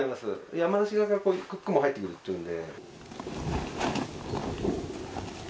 山梨県側から雲が入ってくるっていうんで。